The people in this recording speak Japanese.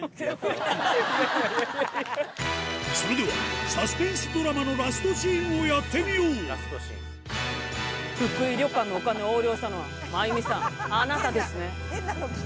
それではサスペンスドラマのラストシーンをやってみよう福井旅館のお金を横領したのはまゆみさんあなたですね？